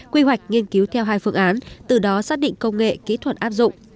quy hoạch nghiên cứu theo hai phương án từ đó xác định công nghệ kỹ thuật áp dụng